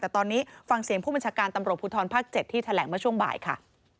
แต่ตอนนี้ฟังเสียงผู้บัญชาการตำรวจภูทรภาค๗ที่แถลงเมื่อช่วงบ่ายค่ะ